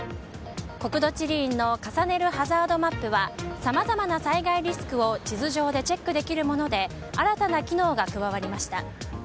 国土地理院の重ねるハザードマップはさまざまな災害リスクを地図上でチェックできるもので新たな機能が加わりました。